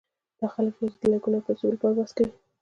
دا خلک یواځې د لایکونو او پېسو لپاره بحث کوي.